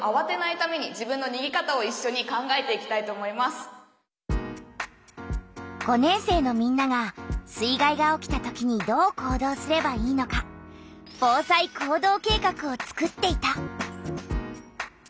向かったのは茨城県下妻市の５年生のみんなが水害が起きたときにどう行動すればいいのか「防災行動計画」をつくっていた。